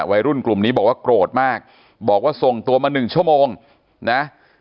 วัยรุ่นกลุ่มนี้บอกว่าโกรธมากบอกว่าส่งตัวมาหนึ่งชั่วโมงนะ